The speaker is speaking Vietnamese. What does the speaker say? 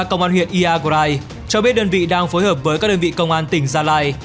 công an huyện iagrai cho biết đơn vị đang phối hợp với các đơn vị công an tỉnh gia lai